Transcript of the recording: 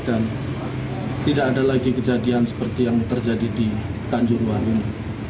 dan tidak ada lagi kejadian seperti yang terjadi di tanjuruan ini